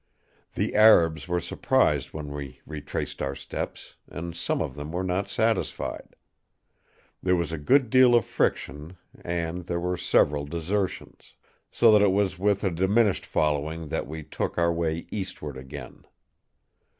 "The Arabs were surprised when we retraced our steps; and some of them were not satisfied. There was a good deal of friction, and there were several desertions; so that it was with a diminished following that we took our way eastward again.